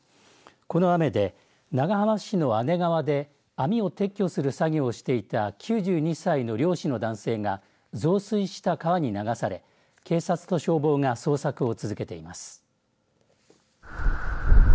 この雨で長浜市の姉川で網を撤去する作業をしていた９２歳の漁師の男性が増水した川に流され警察と消防が捜索を続けています。